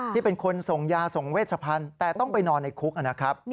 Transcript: ที่เป็นคนส่งยาส่งเวชพันธุ์แต่ต้องไปนอนในคุกนะครับ